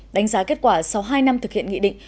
đánh giá kết quả sau hai năm thực hiện nghị định